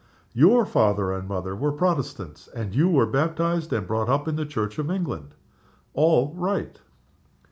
"Your father and mother were Protestants? and you were baptized and brought up in the Church of England?" "All right!"